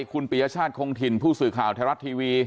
คุณปียชาติคงถิ่นผู้สื่อข่าวไทยรัฐทีวี